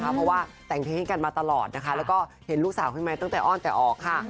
เพราะว่าแต่งเพลงกันมาตลอดนะคะแล้วก็เห็นลูกสาวขึ้นมาตั้งแต่อ้อนแต่ออกค่ะ